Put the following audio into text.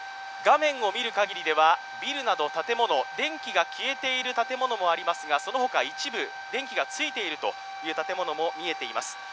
画面を見るかぎりではビルなど建物、電気が消えている建物もありますが、そのほか一部、電気がついているという建物も見えています。